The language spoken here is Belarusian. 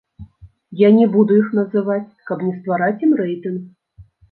Я не буду іх называць, каб не ствараць ім рэйтынг.